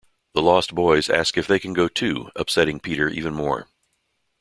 The Lost Boys ask if they can go too, upsetting Peter even more.